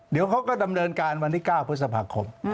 เดี๋ยวเขาก็ดำเนินการวันที่๙พฤษภาคม